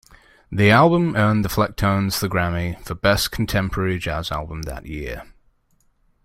The album earned the Flecktones the Grammy for Best Contemporary Jazz Album that year.